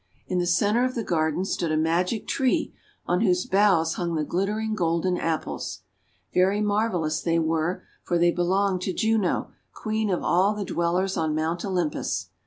In the centre of the garden stood a magic tree on whose boughs hung the glittering Golden Apples. Very marvellous they were, for they belonged to Juno, Queen of all the Dwellers on Mount Olympus.